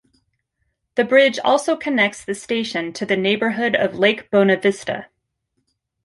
The bridge also connects the station to the neighbourhood of Lake Bonavista.